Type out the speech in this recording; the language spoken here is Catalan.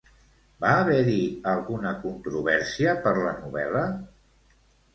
Va haver-hi alguna controvèrsia per la novel·la?